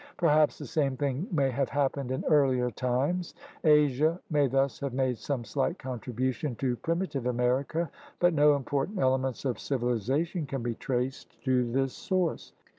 Perhaps the same thing may have happened in earlier times. Asia may thus have made some slight contribution to primitive America, but no important elements of civilization can be traced to this source.